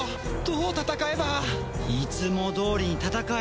どう戦えば？いつもどおりに戦え。